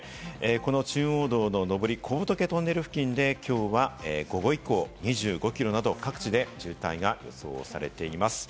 この中央道の上り、小仏トンネル付近できょうは午後以降、２５キロなど各地で渋滞が予想されています。